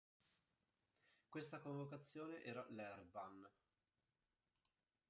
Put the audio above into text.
Questa convocazione era l"'Heerbann".